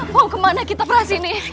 mau kemana kita prasini